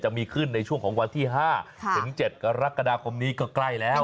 จะมีขึ้นในช่วงของวันที่๕ถึง๗กรกฎาคมนี้ก็ใกล้แล้ว